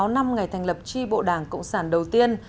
tám mươi sáu năm ngày thành lập chi bộ đảng cộng sản đầu tiên